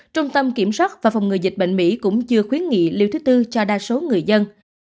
trung tâm kiểm soát và phòng ngừa dịch bệnh mỹ cũng chưa khuyến nghị lưu thứ tư cho đa số người dân